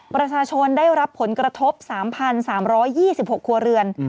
ประชาชนได้รับผลกระทบ๓๓๒๖ครัวเรือน